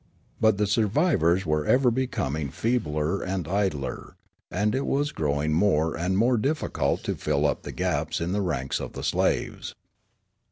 But the survivors were ever becoming feebler and idler, and it was growing more and more difficult to fill up the gaps in the ranks of the slaves.